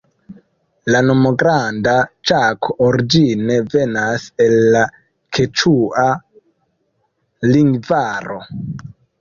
La nomo Granda Ĉako origine venas el la keĉua lingvaro.